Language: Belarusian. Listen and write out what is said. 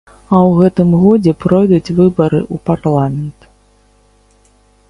А ў гэтым годзе пройдуць выбары ў парламент.